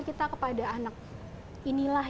kita kepada anak inilah